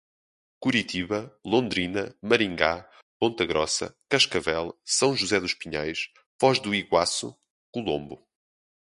Curitiba, Londrina, Maringá, Ponta Grossa, Cascavel, São José dos Pinhais, Foz do Iguaçu, Colombo